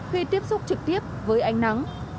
khi tiếp xúc trực tiếp với ánh nắng